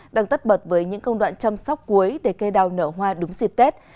đang tất bật với những công đoạn chăm sóc cuối để cây đào nở hoa đúng dịp tết